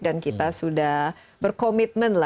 dan kita sudah berkomitmen